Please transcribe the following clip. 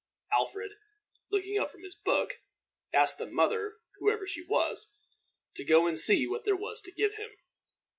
Alfred, looking up from his book, asked the mother, whoever she was, to go and see what there was to give him.